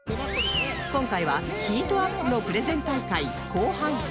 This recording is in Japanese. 今回はヒートアップのプレゼン大会後半戦